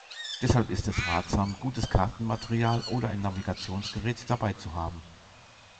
Deshalb ist es ratsam, gutes Kartenmaterial oder ein Navigationsgerät dabei zu haben.